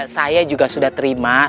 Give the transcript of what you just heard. saya juga sudah terima